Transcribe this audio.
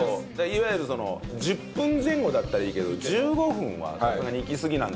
いわゆるその１０分前後だったらいいけど１５分はさすがにいきすぎなんじゃないかと。